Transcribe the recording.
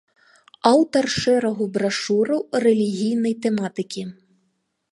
Аўтар шэрагу брашураў рэлігійнай тэматыкі.